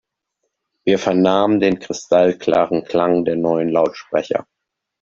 Wir vernahmen den kristallklaren Klang der neuen Lautsprecher.